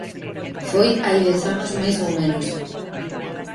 Foi hai dez anos máis ou menos.